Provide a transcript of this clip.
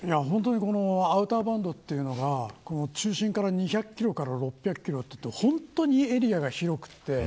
アウターバンドというのが中心から２００キロから６００キロというと本当にエリアが広いんです。